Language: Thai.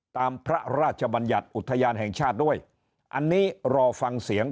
ตามพระราชบัญญัติอุทยานแห่งชาติด้วยอันนี้รอฟังเสียง